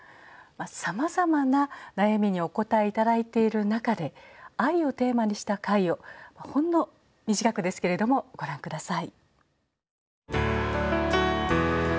さまざまな悩みにお答え頂いている中で愛をテーマにした回をほんの短くですけれどもご覧下さい。